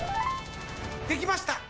できました！